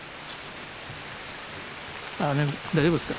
雨大丈夫ですか？